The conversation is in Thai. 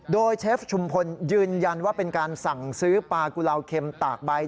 โดยเชฟชุมพลยืนยันว่าเป็นการสั่งซื้อปลากุลาวเค็มตากใบ